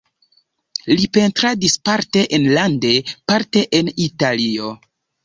Li pentradis parte enlande, parte en Italio.